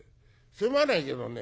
すまないけどね